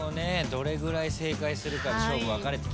どれぐらい正解するかで勝負分かれてきます。